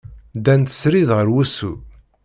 Ddant srid ɣer wusu.